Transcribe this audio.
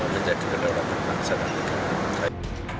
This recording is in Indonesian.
menjadi kedaulatan yang sangat baik